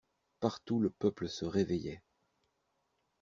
Partout le peuple se réveillait.